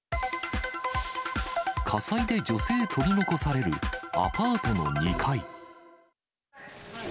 火災で女性取り残される、アパートの２階。